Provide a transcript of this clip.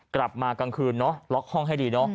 กลับมากลางคืนล็อกห้องให้ดี